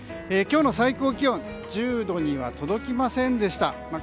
今日の最高気温１０度には届きませんでした。